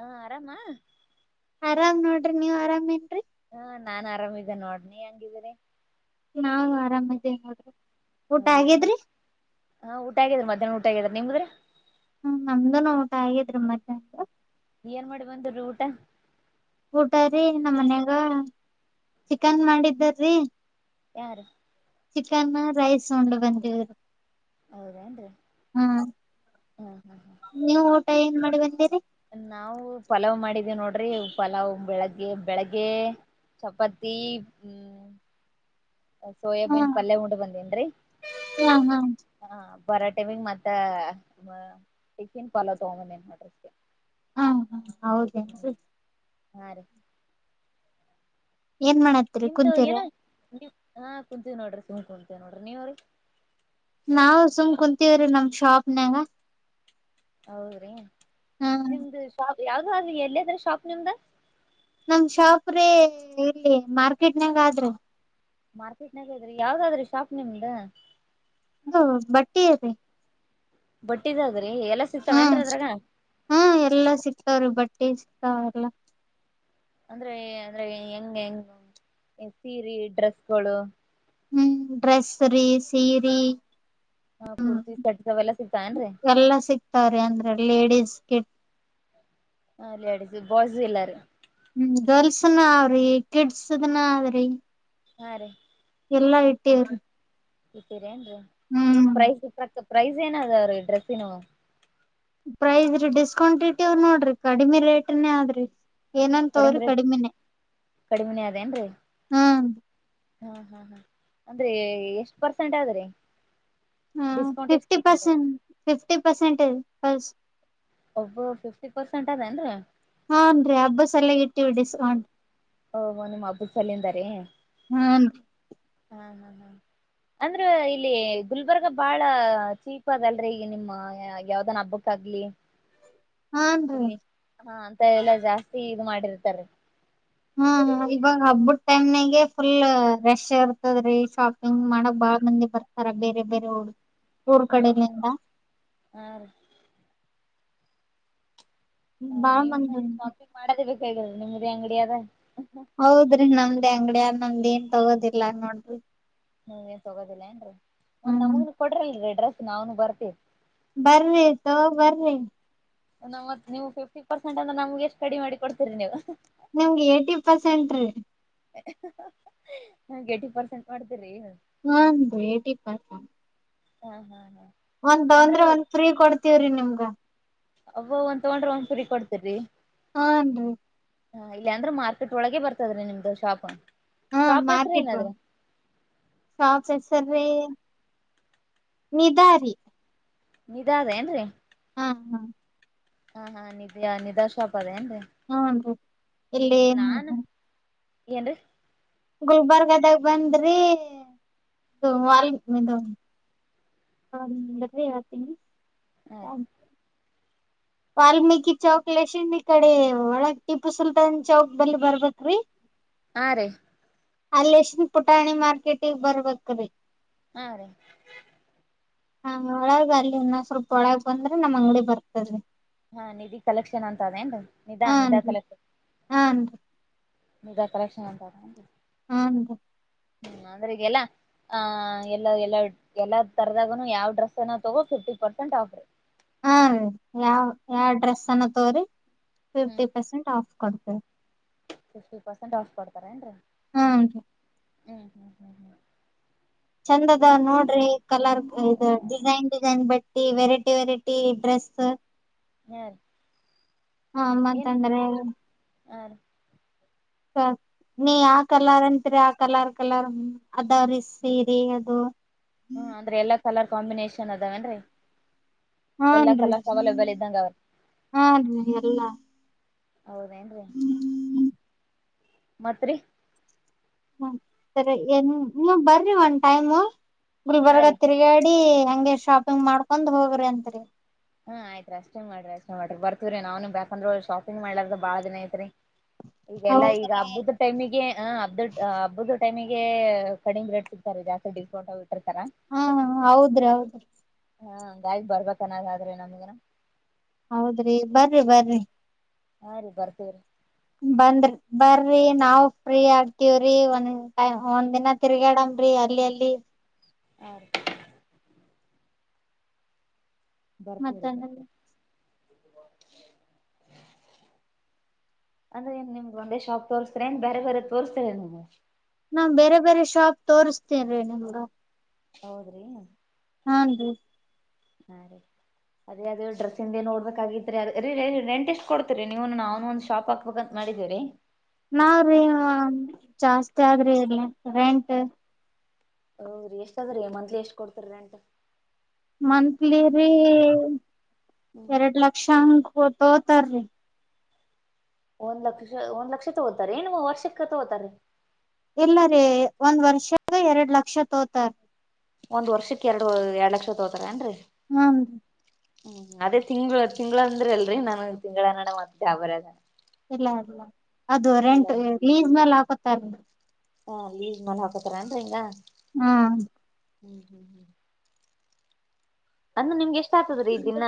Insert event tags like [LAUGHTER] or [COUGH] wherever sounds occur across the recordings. ಹಾ ಆರಾಮಾ ಆರಾಮ್ ನೋಡ್ರಿ ನೀವ್ ಆರಾಮ ಏನ್ರರಿ ಹಾ ನಾನ್ ಆರಾಮೇ ನೋಡನಿ ಹೆಂಗಿದೀರಿ ನಾು ಆರಾಮ್ದೇ ನೋಡ್ರಿ ಊಟ ಹೌದ್ರೀ ಆಗೇದ್ರಿ ಹಾ ಊಟ ಆಗಿದ ಮಧ್ಯಾಹ್ನ ಊಟ ಆಗಿದ ನಿಮದ್ರೀ ಹ್ಮ ನಮ್ದುನು ಊಟ ಆಗಿದ್ರಿ ಮತ್ತೆ ಏನ್ ಮಾಡಿ ಬಂದ ಊಟ ಊಟ ರೀ ನಮ್ಮ್ ಮನ್ಯಾಗ ಚಿಕನ್ ಮಾಡಿದ್ದಾರೀ ಯಾರು ಚಿಕನ್ ರೈಸ್ ಉೊಂಡು ಬಂದವಿರು ಹೌದಾೇನ್್ರೀ ಹ್ಮ್ ನೀವು ಊಟ ಏನ್ ಮಾಡಿ ಬಂದೀರಿ ನಾವು ಪಲಾವ್ ಮಾಡಿದೀವಿ ನೋಡ್ರಿ ಪಲಾವ್ ಬೆಳಗ್ಗೆ ಬೆಳಿಗ್ಗೆ ಚಪಾತಿ ಹ್ಮ್ ಹಾ ಸೋಯಾಬೀನ್ ಪಲ್ಯ ಉಂಡು ಬಂದೇನ್ರರಿ ಹಾ ಹಾ ಹಾ ಪರಾಟೆ ಬೀ ಮತ್ತ ಚಿಕನ್ ಪಲಾವ್ ತೊಗೊ ನ್ ಮಾಡಡ್ರೆಸ್ಗೆ ಹಾ ಹ ಹೌದೇ ಹಾಂ ರೀ ಏನ್ ಮಾಡತ್ತ ನಿಮ್ದು ಏನ ನೀ ಹ ಕುಂತ ನೋಡ್ರಿ ಸಿುಮ್ ಕುಂತವಿ ನೋಡ್ರಿ ನೀವ್ರಿ ನಾವವು ಸುಮ್ ಕುಂತೀವ್ರೀ ನಮ್ ಶಾಪ್ನಾಗ ಹೌದ್ರಿ ಹಾ ನಿಮ್ದ ಶಾಪ್ ಯಾವ್ದ ಅ ಎಲ್ಲದ್ರ ಶಾಪ್ ನಿಮ್ದ ನಮ್ ಶಾಪ್ ರೀ ಇಲ್ಲಿ ಮಾರ್ಕೆಟ್ನಂಗ ಆದ್ರಿ ಮಾರ್ಕೆಟ್ನಾಗ ಇದ್ರಿ ಯಾವ್ದಾದ್ರೀ ಶಾಪ್ ನಿಮ್ದ ಅದು ಬಟ್ಟಿ ಅದೆ ಬಟ್ಟಿದಾದ್ರೀ ಎಲ್ಲ ಸಿಗ್ತವಏನ್ರ ಅದ್ರಾಗ ಹಾ ಎಲ್ಲಾ ಸಿಕ್ತಾವ್ರಿ ಬಟ್ಟೆ ಸಿಗ್ತಾವ ಎಲ್ಲಾ ಅಂದ್ರೆ ಅಂದ್ರೆ ಹೆಂಗ ಹೆಂಗ ಸೀರೆ ಡ್ರೆಸ್ಗಳು ಹ್ಮ್ ಡ್ರೆಸ್ ರೀ ಸೀರಿ ಹಾ ಕುರ್ತಿ ಸಟ ತವೆ ಎಲ್ಲ ಸಿಗ್ತಾಏನ್ ರೀ ಎಲ್ಲ ಸಿಕ್ತಾವ್ರ ಅಂದ್ರೆ ಲೇಡೀಸ್ ಕಿಟ್ ಹ ಲೇಡಿಸಸ್ ಬಾಯ್ಸ್ ಇಲ್ಲಾರೀ ಹ್ಮ್ ಗರ್ಲ್ಸ್ನ ಅವ್ರಿ ಕಿಡ್ಸ್ದನ ಆದ್ರಿ ಹಾ ರೀ ಎಲ್ಲಾ ಇಟ್ಟ್ರೀ ಇತೀರಿ ಏನ್ರೀ ಏನ್ ಪ್ರೈಸ್ಕ್ಕ ಪ್ರೈಸ್ ಏನ ಅದ ಅವ ರೀ ಡ್ರೆಸ್ಸಿನ ಪ್ರೈಸ್್ರೀ ಡಿಸ್ಕೌಂಟ್ ಇಟವ್ ನೋಡ್ರಿ ಕಡಿಮಿ ರೇಟ್ನೇ ಆದ್ರಿ ಕಡಿಮೆ ಏನಂತವ್ರಿ ರೇಟ್ ಕಡಿಮಿನೆ ಕಡಿಮೆನೇ ಅದೇನ್ರಿ ಹ್ಮ್ ಹಾ ಹಾ ಹಾ ಅಂದ್ರೆ ಎಷ್ಟ್ ಪರ್ಸೆಂಟ್ ಆದ್ರೆ ಹ್ಮ ಫಿಫ್ಟಿ ಅದ ಪರ್ಸೆಂ ಫಿಫ್ಟಿ ಪರ್ಸೆಂಟಜ್ ಅಸ ಒಬ್ಬ ಫಿಫ್ಟಿ ಪರ್ಸೆಂಟ್ ಅದೇನ್ರರಿ. ಹಾನ್ ರೀ ಹಬ್ಬಸ್ ಸಲಗಿ ಇಟ್ಟೀವಿ ಡಿಸ್ಕೌಂಟ್. ಓ ಒಬ್ಬ ಮಬ್ಬ ಕಲಿಅಂದ್ರರಿ ಹ್ಮ ಹಾ ಹಾ ಹಾ ಅಂದ್ರ ಇಲ್ಲಿ ಗುಲ್ಬರ್ಗ ಬಾಳ ಚೀಪ್ ಅದಲ್ರೀ ಈಗ ನಿಮ್ಮ ಯಾವ್ದನ್ ಹಬ್ಬಕ್ ಆಗ್ಲಿ ಹಾನ್ ರೀ ಹಾ ಅಂತವ ಎಲ್ಲ ಜಾಸ್ತಿ ಇದು ಮಾಡಿರ್ತಾರೆೀ. ಹ್ಮ್ ಹಾ ಈವಾಗ್ ಹಬ್ಬದ್ ಟೈಮ್ನಿಗೆ ಫುಲ್ ರೆಶ್ ಇರ್ತದ್ರೀ ಶಾಪಿಂಗ್ ಮಾಡಕ್ ಬಾಳ ಮಂದಿ ಬರ ಬೇರೆ ಬೇರೆ [INAUDIBLE] ಊರ್ ಹ್ಮ್ ಕಡಲಿಂದ ಹಾ ರೀ ಬಾಳ್ ನೀವ್ ಮಂದಿ ಅಂತರು ಉಂಟು ಶಾಪಿಂಗ್ ಮಾಡೋದೇ ಬೇಕಾಗಿಗಲ್ರಿ ನಿಮ್ದ ಅಂಗಡಿ ಅದ ಹೌದ್ರಿ ನಮ್ದ್ ಅಂಗಡಿಯ ನಮ್ದ್ ಏನ್ ತಗೋದಿಲ್ಲಾ ನೋಡ್ರಿ. ಹ ನೀವ್ ಏನ್ ತೊಗೋದಿಲ್ಲ ಏನ್ರೀ ಮತ್ತ್ ಹ್ಮ್ ನಮಗುನು ಕೊಡ್ರಿ ಅಲ್ಲ ಡ್ರೆಸ್ ನಾವನು ಬರ್ತೀವಿ. ಬರ್ರಿ ತಗೋ ಬರ್ರಿ. ನಮ್ಮತ್ ನೀವು ಫಿಫ್ಟಿ ಪರ್ಸೆಂಟ್ ಅಂದ್ರ ನಮ್ಗೆ ಎಷ್ಟು ಕಡಿಮಿ ಮಾಡಿ ಕೊಡ್ತತಿರಿ ನೀವು [UNINTELLIGIBLE] ನಿಮ್ಗೆ ಏಟಿ ಪರ್ಸೆಂಟ್ ರೀ. [UNINTELLIGIBLE] ನಮಗ್ ಏಟಿ ಪರ್ಸೆಂಟ್ ಮಾಡ್ತೀರಿ.. ಹಾನ್ರಿ ಏಟಿ ಪರ್ಸೆಂಟ್. ಹಾ ಹಾ ಹಾ ಒಂದ್ ಅಂದ್ರ ತೊಂದ್ರೆ ಒಂದ್ ಫ್ರೀ ಕೊಡ್ತಿೀವ್ರಿ ನಿಮ್ಗ. ಅವ ಒಂದ ತಗೊಂಡ್ರೆ ಒಂದ್ ಫ್ರೀ ಕೊಡ್ತರರಿ. ಹಾನ್ರಿ ವಾಲ್ಲ ಅಂದ್ರೆ ಮಾರ್ಕೆಟ್ ಒಳಗೆ ಬರ್ತದ್ರೀ ನಿಮ್ದು ಶಾಪ್. ಹ್ಮ ಶಾಪ್ ಹೆಸ್ರ ಮಾರ್ಕೆಟ್ ಬಂ ಏನದ್ರಿ ಶಾಪ ಸ ಹೆಸರಿ [INAUDIBLE] ಇದರಿ ಇದ ಅದ ಏನ್ರಿ ಹಾ ಹಾ ಹಾ ಹಾ ನಿಿದ್ಯಾಾ ನಿಧಾ ಶಾಪ್ ಅದೇ ಏನ್ರಿ ಹ್ಮ್ಮ್ ಅಂದ ಇಲ್ಲಿ ಏನ್ ಏನ್ರಿ ಗುಲ್ಬರ್ಗದಾಗ ಬಂದರಿ [INAUDIBLE] ವಾಲ್ದು [UNINTELLIGIBLE] ಭಟ್ಟರಿಗೆ ಹಾಕತೀನಿ ಹಾ [INAUDIBLE] ವಾಲ್ಮೀಕಿ ಚೌಕ್ ಲಷನ್ ಈ ಕಡೆ ಒಳಗ್ ಟಿಪ್ಪು ಸುಲ್ತಾನ್ ಚೌಕ್ ಬಲ್ಲಿ ಬರ್ಬೇಕರಿ. ಹಾ ರೀ. ಅಲ್ಲಿ ರೇಶ್ಮಿ ಪುಟಾಣಿ ಮಾರ್ಕೆಟಿಗೆ ಬರ್ಬೇಕ ರೀ. ಹಾ ರೀ. ಹಾ ಒಳಗ ಅಲ್ಲಿ ಇನ್ನೊ್ ಸ್ವಲ್ಪ ಒಳಗ್ ಬಂದ್ರೆ ನಮ್ ಅಂಗಡಿ ಬರ್ತದರಿ. ಹಾ ನಿಧಿ ಕಲೆಕ್ಷನ್ ಅಂತ ಅದೇ ಏನ್ರಿ ನಿಧಾ ನಿಧಾ ಹಾನ್ರಿ ಕಲೆಕ್ಷನ್ ಹಾನ್ರಿ ನಿಧಾ ಕರೆಕ್ಷನ್ ಅಂತಾನ್ ಅದು ಹಾನ್ರಿ ಹ್ಮ್ ಅದ್ರಿಗೆಲ್ಲಾ ಆ ಎಲ್ಲ ಎಲ್ಲಾ ಎಲ್ಲ ತರದಾಗನು ಯಾವ್ ಡ್ರೆಸ್ಸನ ತಗೋ ಫಿಫ್ಟಿ ಪರ್ಸೆಂಟ್ ಆಫ್ರ ಹಾ ರೀ ಯಾವ ಯಾವ ಡ್ರೆಸ್ ಅನ್ನು ತೋರಿ ಹ್ಮ್ ಫಿಫ್ಟಿ ಪರ್ಸೆಂಟ್ ಆಫ್ ಕೊಡ್ತೇವಿ ಫಿಫ್ಟಿ ಪರ್ಸೆಂಟ್ ಆಫ್ ಕೊಡ್ತಾರೇನ್ರಿ ಹ್ಮರಿ ಹ್ಮ್ ಹ್ಮ್ ಹ್ಮ್ ಹ್ಮ ಚಂದ ಅದ ನೋಡ್ರಿ ಕಲರ್ ಇದು ಡಿಸೈನ್ ಡಿಸೈನ್ ಬಟ್ಟಿ ವೆರೈಟಿ ವೆರೈಟಿ ಡ್ರೆಸ್ ಹಲ್ ಹಾ ಮತ್ಂದ್ರೆ ಆ ನೀ ಯಾವ ಕಲರ್ ಅಂತೀರಿ ಆ ಕಲರ್ ಕಲರ್ ಅದಾವ್ರೀ ಸೀರಿ ಅದು ಹ್ಮ ಅಂದ್ರೆ ಎಲ್ಲಾ ಕಲರ್ ಕಾಂಬಿನೇೇಶನ್ ಅದಾವೇನ್ೀ ಎಲ್ಲಾ ಹಾನ್ರಿ ಕಲರ್ಸ್ ಅವೈಲಬಲ್ ಇದ್ದಂಗ ಅವರು ಹಾನ್ರಿ ಎಲ್ಲಾ ಹೌದೇನ್ರರಿ ಹ್ಮ ಮತ್ರಿ ಹ್ಮ ಸರಿ ಏನ್ ನೀ ಬರ್ರಿ ಒನ್ ಟೈಮ್ ಹಾ ಗುಲ್ಬರ್ಗ ರೀ ತಿರುಗಾಡಿ ಹಂಗೆ ಶಾಪಿಂಗ್ ಮಾಡ್ಕೊಂಡ್ ಹೋಗ್ರಿ ಅಂತರಿ ಹಾ್ ಆಯತ್ ಅಷ್ಟೇ ಮಾಡ್ರಿ ಅಷ್ಟೇ ಮಾಡ್ರಿರ್ತಿವೀ ನಾವವುನ್ ಬೇಕಂದ್ರರು ಶಾಪಿಂಗ್ಾರ್ದ ಬಾಳ ದಿನ ಐತ್ರಿ ಈಗೆಲ್ಲಾ ಈಗ ಹೌದ್ರೀ ಹಬ್ಬದ ಟೈಮಿಗೆ ಹ ಹಬ್ಬದ ಹಬ್ಬದ ಟೈಮಿಗೆ ಕಡಿಮ್ ರೇಟ್ ಸಿಗ್ತಾರೆ ಜಾಸ್ತಿ ಡ್ಕೌಂಟ್ ಇಟ್ಟಿರ್ತರ ಹಾ ಹೌದ್ರಿ ಹೌದ್ರಿ ಹಾ ಗಾಯಿಗೆ ಬರ್ಬೇಕನ್ನದಾದ್ರೆ ನಮಗನ ಹೌದ್ರಿ ಬರ್ರಿ ಬರ್ರಿ ಹಾ ರೀ ಬರ್ತೀವಿ್ರೀ ಬಂದ್ರಿ ಬರ್ರಿ ನಾವು ಫ್ರೀ ಆಗ್ತವ್ರಿ ಒಂದ್ ಟೈ್ ಒಂದ್ ದಿನ ತಿರ್ಗಾಡನ್್ರಿ ಅಲ್ಲಿ ಅಲ್ಲಿ ಆ ಬರ್ಪೂರ ಮತ್ತ ಬರ್ಪೂರಿ ಅಂದ್ರೆನ್ ನಿಮಗೆ ಒಂದೇ ಶಾಪ್ ತೋರ್ಸ್ತರ ನ್ ಬೇ ಬರೆ ತೋರ್ಸ್ತಾರೆ ನಿಮಗೆ ನಾ ಬೇರೆ ಬೇರೆ ಶಾಪ್ ತೋರ್ಸ್ತೇನ್ ರೀ ನಿಮ್ಗ ಹೌದ್ರಿ ಹಾ ರೀ ಹಾ ರೀ ಅದೇ ಅದ ಡ್ರೆಸ್ಸಿಂದ ಏ ನೋಡ್ಬೇಕಾಗಿದ್ರರಿ ಅ ರ ರೆಂಟ್ ಎಷ್ಟಟ್ ಕೊಡ್ತೀರಿ ನೀವುನು ನಾವವುನು ಒಂದ ಶಾಪ ಹೋಗಂತ ಮಾಡಿದ್ದೀರಿ ನಾವ್ರೀ ಜಾಸ್ತಿ ಆದ್ರಿ ಇರ್ಲಿ ರೆಂಟ್ ಹೌದ್ರಿ ಎಷ್ಟ ಅದ್ರ ರ ಮಂತ್ಲಿ ಎಷ್ಟ್ ಕೊಡ್ತರಿ ರೆಂಟ್ ಮಂತ್ಲಿ ರೀ ಹ್ಮ್ ಎರಡ್ ಲಕ್ಷ ಅಂಗ ತೋತಾರಿ ಒಂದ್ ಲಕ್ಷ ಒಂದ್ ಲಕ್ಷ ತಗೋತಾರೆ ಏನು ವರ್ಷಕ್ಕ ತಗೋತಾರೀ ಇಲ್ಲ ರೀ ಒಂದ್ ವರ್ಷ ಎರಡ್ ಲಕ್ಷ ತೋತಾರ ಒಂದ್ ವರ್ಷಕ್ಕೆ ಎರಡು ಎರಡ್ ಲಕ್ಷ ತಗೋತಾರ ಏನ್ರರಿ ಹ್ಮ್ೂ ರೀ ಹ್ಮ್ ಅದೇ ತಿಂಗಳ ತಿಂಗ್ಳ ಅಂದ್ರೆ ಅಲ್ರಿ ನಾನು ತಿಂಗಳನ್ನಡ ಮತ್ತ ಯ ಬರ ಅದ ಇಲ್ಲ ಇಲ್ಲ ಅದು ರೆಂಟ್ ಲೀಸ್ ಮೇಲೆ ಹಾಕೋತಾರ ಹಾ ಲೀವ ಮ ಹಾಕೋಾರ ಅಂದ್ರ ಹಿಂಗ ಹ್ಮ ಹ್ಞೂ ಹ್ ಹ್ಞೂ ಅಂದ ನಿಮ್ಗೆಷ್ಟ ದಿನ ನಿಮಗೆ ಎಷ್ಟಾತಾತ್ರಿ ದಿನ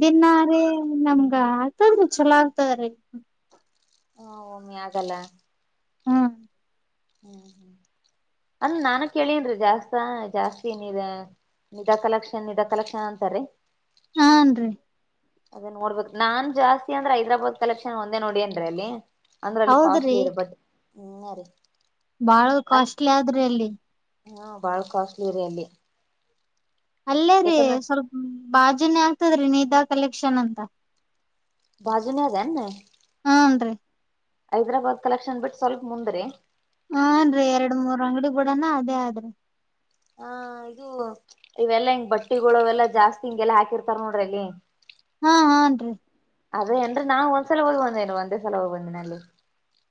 ದಿನಾರಿ ನಮಗೆ ಆಗ್ತದ್ರಿ ಚಲೋ ಹಾ ಒಮ್ಮಿ ಆಗಲ್ಲ ಹ್ಮ್ ಹ್ಮ್ ಹ್ಮ್ ಅಲ್ಲ ನಾನ ನಾನು ಕೇಳಿನ್ರೀ, ಜಾಸ್ತಿ ನಿಧಾ ಕಲೆಕ್ಷನ್ ನಿಧ ಕಲೆಕ್ಷನ್ ಅಂತಾರೀ ಹಾನ್ರಿ ಅದೇ ನಾನ್ ಜಾಸ್ತಿ ಅಂದ್ರೆ ಹೈದರಾಬಾದ್ ಕಲೆಕ್ಷನ್ ಒಂದೇ ನೋಡಿನ್ರಿಯಲ್ಲಿ ಅಂದ್ರ ಅಲ್ಲಿ ಹೌದ್ರಿ ಕಾಸ್ಟ್ಲಿ ಇರಬಹುದು ಬಾಳ ಕಾಸ್ಟ್ಲಿ ಆದ್ರಿ ಅಲ್ಲಿ ಹ್ಮ ಬಾಳ್ ಕಾಸ್ಟ್ಲಿ ರೀ ಅಲ್ಲಿ ಅಲ್ಲೇ ರೀ ಯಾಕಂದ್ರ ಸ್ವಲ್ಪ ಬಾಜುನೇ ಆಗ್ತದ್ರೀ ನಧಾ ಕಲೆಕ್ಷನ್ ಅಂತ ಭಾಗ್ಯದ ಏನು ಹ್ಮನ್ ರರಿ ಹೈದರಾಬಾದ್ ಕಲೆಕ್ಷನ್ ಬಿಟ್ಟು ಸ್ವಲ್ಪ ಮುಂದ್ರೆ ಹನ್ರಿ ಎರಡ್ ಮೂರ್ ಅಂಗಡಿ ಬಿಡಾನಾ ಅದೇ ಆದ್ರಿ ಹಾ ಇದು ಇವೆಲ್ಲಾ ಹಿಂಗ ಬಟ್ಟಿವೆಲ್ಲಾ ಜಾಸ್ತಿ ಹಿಂಗೆಲ್ಲ ಹಾಕಿರ್ತಾರ ನೋಡ್ರಿ ಅಲ್ಲಿ ಹಾ ಹಾನ್ ರೀ ಅದೇಏನ್ನಾನ್ ಒಂದ್ಸಲ ಹೋಗ ಬಂದೇನ ಒಂದೇ ಸಲ ಹೋಗ ಬಂದಿನ ಅಲ್ಲಿ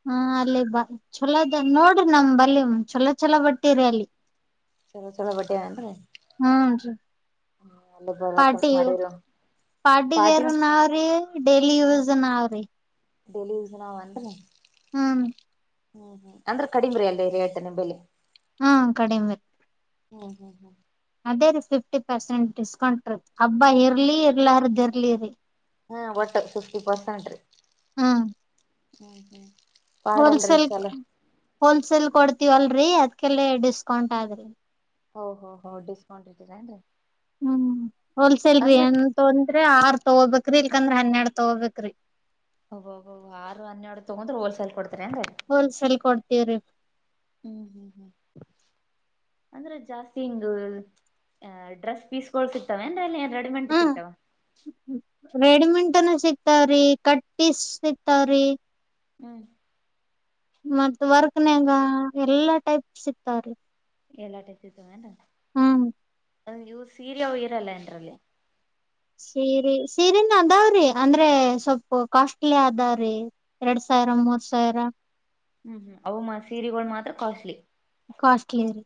ಹಾ ಅಲ್ಲಿ ಬ ಚಲೋದ ನೋಡ್ರಿ ನಮ್ ಬಲಿ ಚಛಲೋ ಚಛಲೋ ಬಟ್ಟಿರಿ ಅಲ್ಲಿ ಚಲೋ ಚಛಲೋ ಬಡ್ಡ ಹ ಹ್ ರೀ ಅಲ್ಲಿ ಹೋಗಬೇಕು ಅಂತ ಮಾಡಿರೋ ಪಾಟಿ ವೇರ್ ನಾವ್ರ ಡೇಯ್ಲಿ ಯೂಸ್ ನಾವ್ರೀ ಡೈಲಿ ಯುಸಿನ ವೆಂಟ್ರಿ ಹ್ಮ್ ಹ್ಮ್ ಹ್ಮ್ ಅಂದ್ರ ಕಡಿಮ್ರರಿ ಅಲ್ಲ ರಿ ಹೇಳ್ತನೆಂಬಲೆ ಹಾ ಕಡಿಮೆ ಹ್ಮ್ ಹ್ಮ್ ಹ್ಮ್ ಅದೇ ರೀ ಫಿಫ್ಟಿ ಪರ್ಸೆಂಟ್ ಡಿಸ್ಕೌಂಟ್ ರ ಹಬ್ಬಾ ಇರ್ಲಿ ಇರ್ಲಾರದ್ದ ಇರ್ಲಿ ರರಿ ಹ್ಮ ಒಟ್ಟು ಫಿಫ್ಟಿ ಪರ್ಸೆಂಟ್ ಹ್ಮ್ ಪಾಡಲ್ರಿ ಹೋಲ್ಸೇಲ್ ಚಲೋ ಹೋಲ್ಸೇಲ್ ಕೊಡ್ತೀವ ಅಲ್ರರಿ ಅದ್ಕಲ್ಲ ಡಿಸ್ಕೌಂಟ್ ಆದ್ರಿ ಹ ಹ ಹೊ ಡಿಸ್ಕೌಂಟ್ ಇದ್ದೀರ ರೀ ಹ್ಮ್ ಹೋಲ್ಸೇಲ್ ರೀ ಏನ್ ತೊಂದ್ರೆ ಆರ್ ತಗೋಬೇಕ್ರಿ ಇಲ್ಕಂದ್ರ ಹನ್ನೆರಡ್ ತಗೋಬೇಕ್ರಿ ಹೋಗ ಹೋಗಬ ಆರುನ್ನರಡು ತಗೊಂಡ್ರ ಹೋಲ್ಸೇಲ್ ಕೊಡ್ತಾರೆ ಅಂದ್ರೀ ಹೋಲ್ ಸೇಲ್ ಕೊಡ್ತೀವಿ ಹ್ಮ್ ಹ್ಮ್ ಹ್ಮ್ ಅಂದ್ರೆ ಜಾಸ್ತಿ ಹಿಂಗ್ ಡ್ರೆಸ್ ಪೀಸ್ಕಳ್ ಸಿಕ್ತವೆ ಅಂದ್ರೆ ಅಲ್ಲಿಏನ್ ರೆಡಿಮೆಂಟ್ ಸಿಗ್ತಾವ ರೆಡಿಮೇಡ್ ಸಿಕ್ತಾ ಅವರಿಗೆ ಪೀಸ್ ಸಿಕ್ತಾ ಅವ್ರೆ ಹ್ಮ್ ಮತ್ತ ವರ್ಕ್ನ್ಯಾಗ ಎಲ್ಲಾ ಟೈಪ್ ಸಿತಾವೀ ಎಲ್ಲಾ ಟೈಪ್ ಸಿಕ್ತು ಹ್ಮ ಅ ಇವು ಸೀರೆ ಹ ಇರಲ್ಲ ಏನ್ರಲ್ಲಿ ಸೀರಿ ಸೀರೆನ ಅದಾವ್ರಿ ಅಂದ್ರೆ ಸ್ವಲ್ಪ ಕಾಸ್ಟ್ಲಿ ಅದಾವ್ರಿ ಎರಡ್ ಸಾವಿರ ಮೂರ್ ಸಾವಿರ ಹ್ಮ್ ಹ್ಮ್ ಅವು ಸೀರೆಗಳು ಮಾತ್ರ ಕಾಸ್ಟ್ಲಿ ಕಾಸ್ಟ್ಲಿ ರೀ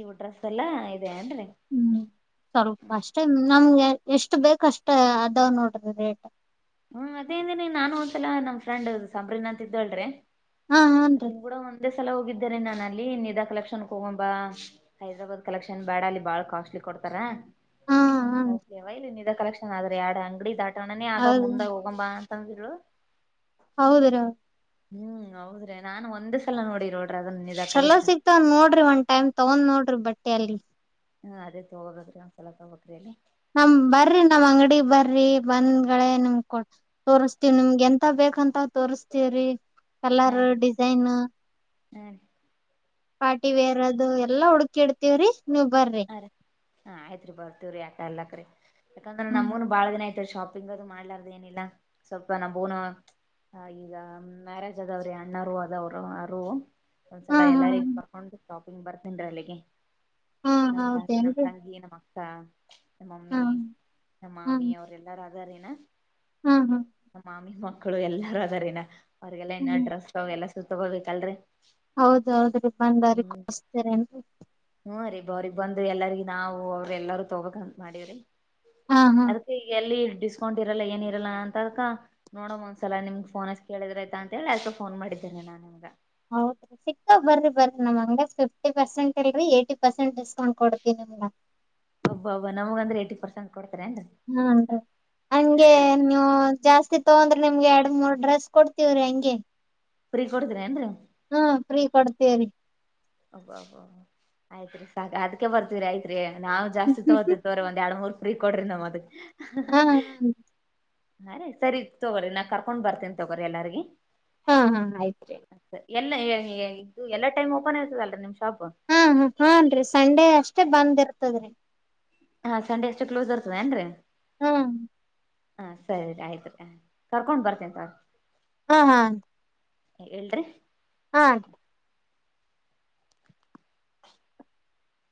ಇವು ಡ್ರೆಸ್ ಎಲ್ಲಾ ಇದೆ ಅಏನ್ರಿ ಹ್ಮ್ ಸ್ವಲ್ಪ ಅಷ್ಟೇ ನಮ್ಗೆ ಎಷ್ಟು ಬೇಕಷ್ಟ ಅದಾವ ನೋಡ್ರಿ ರೇಟ್ ಹ್ಮ್ ಅದೇಂದನಿ ನಾನು ಒಂದ್ಸಲ ನಮ್ ಫ್ರೆಂಡ್ ಸಂಬ್ರೀನ್ ಅಂತ ಇದ್ದಳ್ರೀ ಹಾ ಹನ್ರಿ ಅತ್ತನ್ ಕೂಡ ಒಂದ ಒೆ ಸಲ ಹೋಗಿದ್ದಿದ್ದಾರೆ ನಾನು ಅಲ್ಲಿ ನಿಧಾ ಕಲೆಕ್ಷನ್ ಕಗೊಂಬಾ ಹೈದ್ರಾಬಾದ್ ಕಲೆಕ್ಷನ್ ಬೇಡ ಅಲ್ಲಿ ಬಾಳ ಕಾಸ್ಟ್ಲಿ ಕೊಡ್ತಾರಾ ಹಾ ಹನ್ರಿ ಕೌಸಯವ ಇಲ್ಲಿ ನಿ ಕಲೆಕ್ಷನ್ ಆದ್ರೆ ಎರಡು ಅಂಗಡಿ ದಾಟೋಣನೇ ಆದ ಹೌದ ಮುಂದೆೋಗ ಬಾ ಅಂತಂದ್ರು ಹೌದರಾ ಹ್ಮ್ ಹೌದ್ರಿ ನಾನ್ ಒಂದ್ ಸಲ ನೋಡಿ ನೋಡ್ರಿ ಅದನ್ ನಿಜ ಚಲೋ ಕಲೆಕ್ಷನ್ ಸಿಕ್ತಾವ ನೋಡ್ರಿ ಒಂದ ಟಮ್ ತಗೊಂಡ್ ನೋಡ್ರಿ ಬಟ್ಟೆ ಅಲ್ಲಿ ಹ್ಮ್ ಅದೇ ತಗೋಬೇಕಕ್ರೀ ಒಂದ್ಸಲ ತಗೋಗಬೇಕಕ್ರಿ ಅಲ್ಲಿ ನಮ ಬರ್ರಿ ನಮ್ ಅಂಗಡಿ ಬರ್ರಿ ಬಂದ್ಗಳೇ ನಿಮ ಕೊಡ್ ತೋರ್ಸ್ತವ ನಿಮ್ಗೆ ಎಂತ ಬೇಕಂತ ತೋರ್ಸ್ತವ್ರಿ ಕಲರ್ ಡಿಸೈನ್ ಹ್ಞ ಪಾರ್ಟಿ ವೇರ್ ಅದು ಎಲ್ಲಾ ಹುಡುಕಿ ಇಡ್ತೀವ್ರಿ ನೀವ್ ಬರ್ರಿ ಹಾ ಹಾ ಆಯ್ತ್ರಿ ಬರ್ತೀವ್ರೀ ಆಟ ಎಲ್ಲಾಕ್ರೀ ಯಾಕಂದ್ರೆ ಹ್ಮ್ ನಮ್ಮ್ನ್ ಬಾಳ ದಿನ ಆಯ್ತ್ ಶಾಪಿಂಗ್ ಅದು ಮಾಡ್ಲಾರ್ದ ಏನಿಲ್ಲ ಸ್ವಲ್ಪ ನಾವುೂನು ಹ ಈಗ ಮ್ಯಾರೇಜ್ ಅದವ್ರೆ ಅಣ್ಣಾರರು ಅದವರು ಅವ ಹಾ ಒಂದ್ಸಲ ಹಾ ಎಲ್ಲರಿಗ್ ಕರ್ಕೊಂಡು ಶಾಪಿಂಗ್ ಬರ್ತೀನ್್ರಿ ಅಲ್ಲಿಗೆ ಹಾ ನಮ್ ತ ನಮ್ಮ್ ಹೌದೇನ್ರಿ ತಂಗಿ ನಮ್ಮ್ ಅಕ್ಕ ಹಾ ನಮ್ಮಮ್ಮಿ ನಮ್ಮ ಮಾಮಿ ಅವ್ರ ಎಲ್ಲಾರ ಅಾರನ ಹಾ ಹಾ ನಮ್ಮ ಮಾಮಿ ಮಕ್ಕಳು ಎಲ್ಲಾರೂ ಅದಾರನ ಅವಿಗೆಲ್ಲಾ ಇನ್ನ ಹ್ಮ್ ಡ್ರೆಸ್ ತ ಎಲ್ಲ ಸೂ ತಗೋಬೇಕಲ್ರರಿ ಹೌದೌದ್ರಿ ಬಂದಾರಿ ಹ್ಮ್ ಕೊಸ್ತರೇನ್ರಿ ಹ್ಮ್ ರೀ ಬ್ರಿಗೆ ಬಂದು ಎಲ್ಲರಿ ನಾವು ಅವ್ರ ಎಲ್ಲಾರೂ ತಗೋಕ್ಂತ ಮಾಡೀವ್ರಿ ಹಾ ಹಾ ಅದಕ್ಕೆ ಈಗ ಎಲ್ಲಿ ಡಿಸ್ಕೌಂಟ್ ಇರಲ್ಲ ಏನ ಇರಲ್ಲ ಅಂತ ಅದಕ ನೋಡ ಒಂದ್ಸಲ ನಿಮ್ಗ್ ಫೋನ್ ಕೇಳಿದ್ರ ಆಯ್ತ ಅಂತ ಹೇಳಿ ಅದ್ಕ ಫೋನ್ ಮಾಡಿದ್ದೇನೆ ನಾನ್ ನಿಮ್ಗ ಸಿಕ್ಕ ಬನ್್ರಿ ಬನ್ರಿ ನಮ್ಂಗ ಫಿಫ್ಟಿ ಪರ್ಸೆಂಟ್ ಇಲ್ರಿ ಏಟಿ ಪರ್ಸೆಂಟ್ ಡ್ಕೌಂಟ್ ಕೊಡ್ತತಿ ನಿಮ್ಗೆ ಒಬ್ಬಬ್ಬ ನಮಗಂದ್ರೆ ಏಟಿ ಪರ್ಸೆಟ್ಡ್ಾರೆ ಹೆಂಗ ಹ್ಮ ಹಂಗೆ ನೀವು ಜಾಸ್ತಿ ತಗೊಂಡ್ರೆ ನಿಮ್ಗೆ ಎರಡು ಮೂರ್ ಡ್ರೆಸ್ ಕೊಡ್ತೀವ್ರಿ ಹಂಗೆ ಫ್ರೀ ಕೊಡ್ತಿರಿ ಏನ್ರೀ. ಹಾ ಫ್ರೀ ಕೊಡ್ತೇವರಿ. ಒಬ್ಬಬ ಆಯ್ತ್ರಿ ಸಾಕ ಅದ್ಕ್ಕೆ ಬರ್ತೀರಿ ಆಯತ್ರಿ ನಾವು ಜಾಸ್ತಿ ತಗೋತ ರೆ ಒಂದ್ ಎರಡು ಮೂರ್ ಫ್ರೀ ಕೊಡ್ರಿ ನಮ್ಮ್ ಅದ ಹಾ ಹಾಂೀ ಸರಿ ತೊಗೋ್ರಿ ನಾನ್ ಕರ್ಕೊಂಡ್ ಬರ್ತೇನಿ ತೊಗೋ್ರಿ ಎಲ್ಲಾರ್ೀ ಹಾ ಹಾ ಆಯ್ತ್ರಿ ಎಲ್ಲ ಇದು ಎಲ್ಲ ಟೈಮ್ ಓಪನ್ ಆತದಲ್ಲರಿ ನಿಮ್ ಶಾಪ್ ಹಾ ಹ ಹಾನ್ೀ ಸಂಡೇ ಅಷ್ಟೇ ಬಂದ್ ಇರ್ತದ್ರೀ ಹಾ ಸಂಡೆ ಅಷ್ಟು ಕ್ಲೋಸ್ ಆರ್ತದೆದಏನ್ರಿ ಹ್ಮ ಹಾ ಸರಿ ಆಯ್ತ್ರಿ ಕರ್ಕೊಂಡ್ ಬರ್ತೇನ ತಗೋರಿ. ಹಾ ಹೇಳ್ರರಿ. ಹಾ